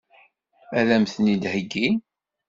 Ad m-ten-id-heggin?